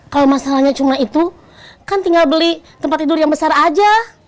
kalau masalahnya cuma itu kan tinggal beli tempat tidur yang besar aja